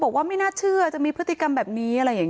บอกว่าไม่น่าเชื่อจะมีพฤฤษิกรรมแบบนี้อะไรอย่าง